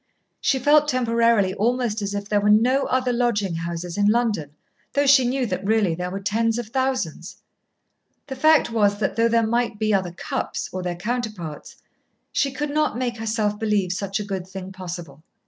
She felt temporarily almost as if there were no other lodging houses in London, though she knew that really there were tens of thousands. The fact was that though there might be other Cupps, or their counterparts, she could not make herself believe such a good thing possible.